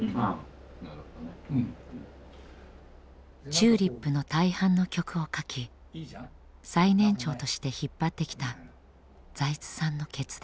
ＴＵＬＩＰの大半の曲を書き最年長として引っ張ってきた財津さんの決断。